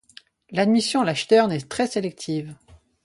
L'admission à la Stern est très sélective.